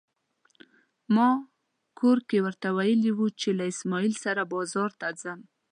ما کور کې ورته ويلي دي چې له اسماعيل سره بازار ته ځم.